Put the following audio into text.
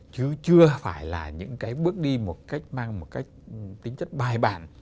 chứ chưa phải là những cái bước đi một cách mang một cách tính chất bài bản